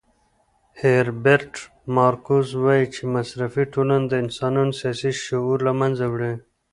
هیربرټ مارکوز وایي چې مصرفي ټولنه د انسانانو سیاسي شعور له منځه وړي.